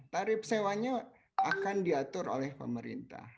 tarif sewanya akan diatur oleh pemerintah